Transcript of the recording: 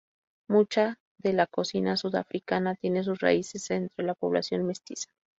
Mucha de la cocina sudafricana tiene sus raíces entre la población mestiza.